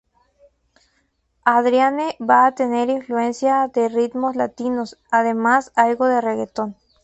Adrienne va a tener influencia de ritmos latinos, además algo de reggaeton.